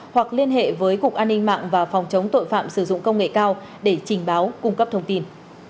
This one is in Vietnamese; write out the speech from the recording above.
hoặc liên hệ với cục an ninh mạng và phòng chống tội phạm sử dụng công nghệ cao để trình báo cung cấp thông tin